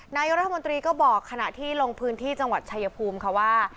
นายกรัฐมนตรีก็บอกขณะที่ลงพื้นที่จังหวัดชายภูมิค่ะว่า